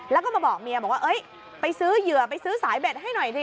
แล้วก็มาบอกเมียบอกว่าไปซื้อเหยื่อไปซื้อสายเบ็ดให้หน่อยดิ